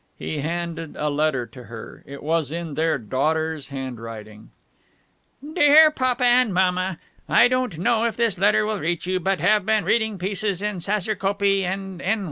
He handed a letter to her. It was in their daughter's handwriting: DEAR PAPA AND MAMA: I don't know if this letter will reach you, but have been reading pieces in Saserkopee & N.